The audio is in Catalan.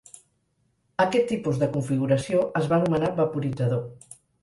Aquest tipus de configuració es va anomenar vaporitzador.